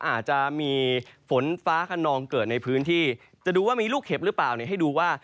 อาจจะมีฝนฟ้าขนองเกิดในพื้นที่จะดูว่ามีลูกเห็บหรือเปล่าเนี่ยให้ดูว่า